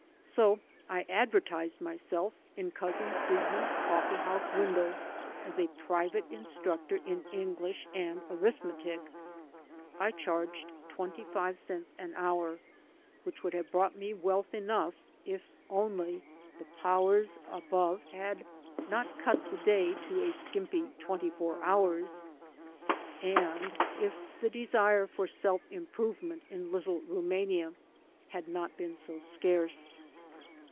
So I advertised myself, in Cousin Freedman's coflfee house window, as a private instructor in English and arithme tic. I charged twenty five cents an hour, which would have brought me wealth enough if only the powers above had not cut the day to a skimpy twenty four hours and if the desire for self improvement in lit tle Rumania had not been so scarce.